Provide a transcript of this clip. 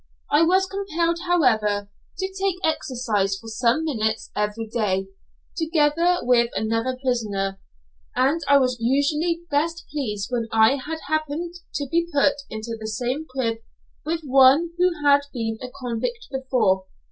I was compelled, however, to take exercise for some minutes every day, together with another prisoner, and I was usually best pleased when I happened to be put into the same crib with one who had been a convict before.